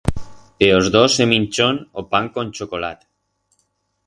E os dos se minchoron o pan con chocolat.